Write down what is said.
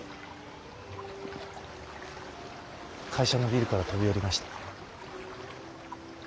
会社のビルから飛び降りました。